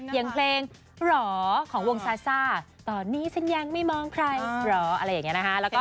อย่างเพลงหรอของวงซาซ่าตอนนี้ฉันยังไม่มองใครเหรออะไรอย่างนี้นะคะ